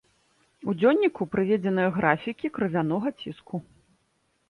У дзённіку прыведзеныя графікі крывянога ціску.